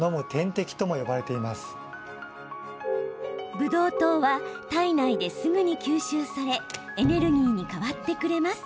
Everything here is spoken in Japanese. ブドウ糖は体内ですぐに吸収されエネルギーに変わってくれます。